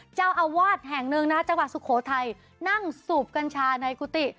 เจ้าอาวาสแห่งหนึ่งนะจังหวัดสุโขทัยนั่งสูบกัญชาในกุฏิ